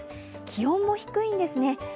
気温も低いんですね。